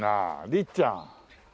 りっちゃん。